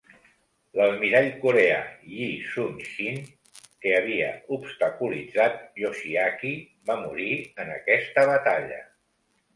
L'almirall coreà Yi Soon Shin que havia obstaculitzat Yoshiaki va morir en aquesta batalla.